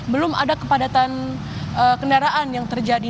belum ada kepadatan kendaraan yang terjadi